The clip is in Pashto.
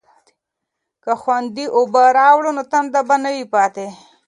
که خویندې اوبه راوړي نو تنده به نه وي پاتې.